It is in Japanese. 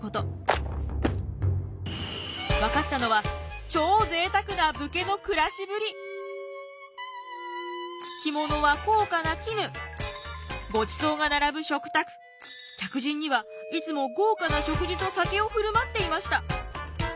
分かったのは着物は高価な絹ごちそうが並ぶ食卓客人にはいつも豪華な食事と酒を振る舞っていました。